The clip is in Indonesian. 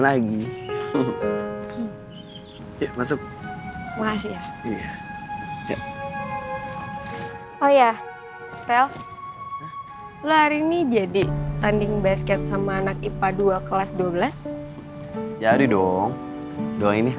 lagi masuk oh ya bel lari nih jadi tanding basket sama anak ipa dua kelas dua belas jadi dong doang